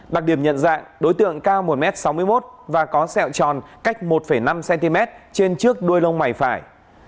đặc điểm nhận dạng đối tượng cao một m sáu mươi một và có sẹo tròn cách một năm cm trên trước đuôi lông mày phải